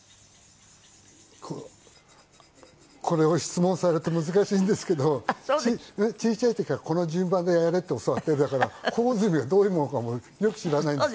ここれを質問されると難しいんですけど小さい時からこの順番でやれって教わってたから朴炭がどういうものかもよく知らないんです。